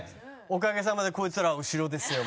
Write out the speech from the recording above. おかげさまでこいつらは後ろですよ。